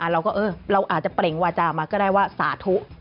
เราอาจจะเปล่งวาจามาก็ได้ว่าสาธุ